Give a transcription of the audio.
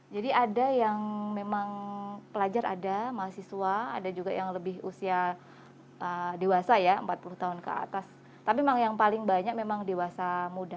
jadi ada yang memang pelajar ada mahasiswa ada juga yang lebih usia dewasa ya empat puluh tahun ke atas tapi memang yang paling banyak memang dewasa muda